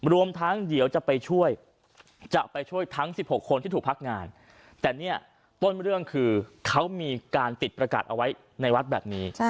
รวมทั้งเดี๋ยวจะไปช่วยจะไปช่วยทั้ง๑๖คนที่ถูกพักงานแต่เนี่ยต้นเรื่องคือเขามีการติดประกาศเอาไว้ในวัดแบบนี้